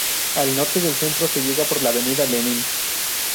Al norte del centro se llega por la avenida Lenin.